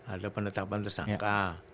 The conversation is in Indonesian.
ada penetapan tersangka